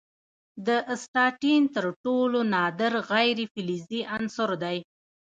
د اسټاټین تر ټولو نادر غیر فلزي عنصر دی.